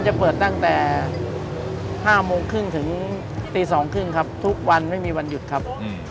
จะเปิดตั้งแต่๕โมงครึ่งถึงตี๒๓๐ครับทุกวันไม่มีวันหยุดครับ